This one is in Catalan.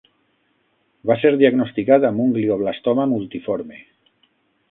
Va ser diagnosticat amb un glioblastoma multiforme.